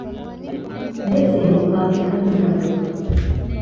Ndetse mukandika nk'ibaruwa